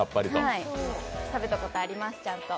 食べたことあります、ちゃんと。